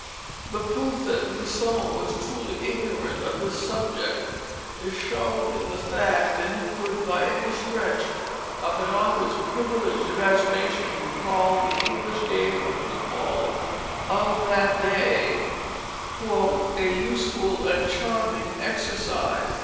The proof that Misson was truly ignorant of this subject is shown in the fact that he could by any stretch of an author's privileged imagination call the English game of foot ball of that day "a useful and charming exercise."